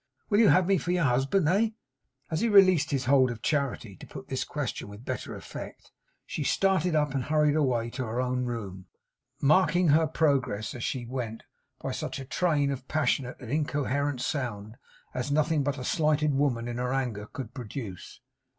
Will you have me for your husband? Eh?' As he released his hold of Charity, to put this question with better effect, she started up and hurried away to her own room, marking her progress as she went by such a train of passionate and incoherent sound, as nothing but a slighted woman in her anger could produce.